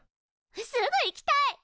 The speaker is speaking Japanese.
すぐ行きたい！